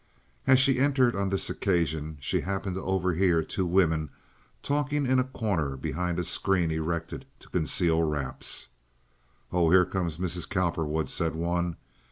As she entered on this occasion she happened to overhear two women talking in a corner behind a screen erected to conceal wraps. "Oh, here comes Mrs. Cowperwood," said one.